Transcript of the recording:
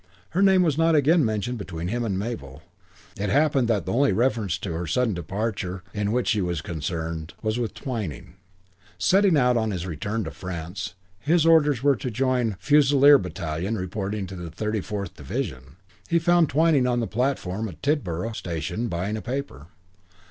Her name was not again mentioned between him and Mabel. It happened that the only reference to her sudden departure in which he was concerned was with Twyning. Setting out on his return to France his orders were to join a Fusilier battalion, reporting to 34th Division he found Twyning on the platform at Tidborough station buying a paper.